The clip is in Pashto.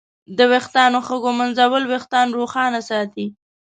د ویښتانو ښه ږمنځول وېښتان روښانه ساتي.